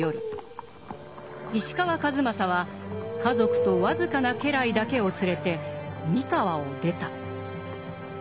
石川数正は家族と僅かな家来だけを連れて三河を出た。